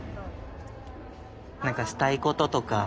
何かしたいこととか。